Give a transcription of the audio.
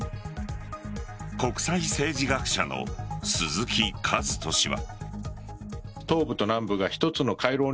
国際政治学者の鈴木一人氏は。